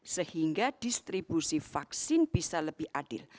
sehingga distribusi vaksin bisa lebih adil